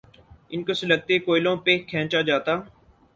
ان کو سلگتے کوئلوں پہ کھینچا جاتا۔